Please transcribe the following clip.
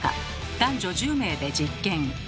男女１０名で実験。